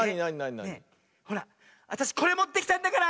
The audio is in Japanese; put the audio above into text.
あたしこれもってきたんだから！